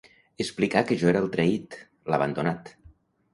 Explicar que jo era el traït, l'abandonat.